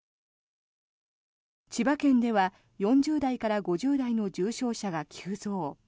千葉県では４０代から５０代の重症者が急増。